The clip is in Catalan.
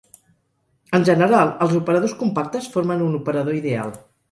En general, els operadors compactes formen un operador ideal.